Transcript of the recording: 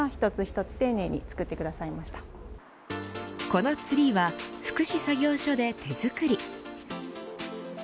このツリーは福祉作業所で手作り。